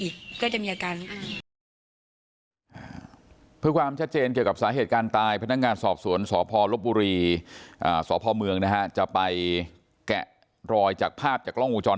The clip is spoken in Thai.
ก็คือยังมีอาการอยู่